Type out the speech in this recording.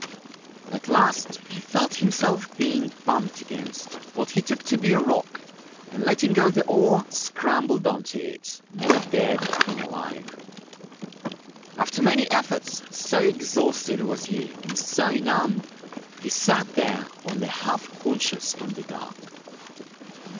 At last he felt himself being bumped against what he took to be a rock, and letting go the oar scrambled on to it more dead than alive. After many efforts, so exhausted was he and so numbed, he sat there only half conscious in the dark.